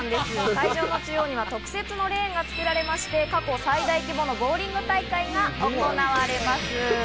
会場の中央には特設のレーンが作られまして過去最大規模のボーリング大会が行われます。